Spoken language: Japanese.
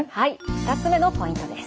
２つ目のポイントです。